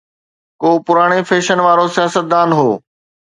ڪو پراڻي فيشن وارو سياستدان هوندو.